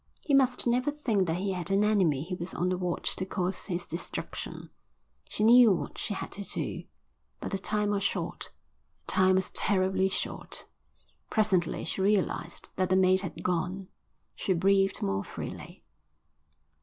He must never think that he had an enemy who was on the watch to cause his destruction. She knew what she had to do. But the time was short, the time was terribly short. Presently she realised that the mate had gone. She breathed more freely.